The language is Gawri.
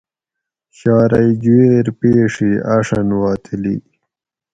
شارئی جوئیر پیڛی آڄھن وا تلی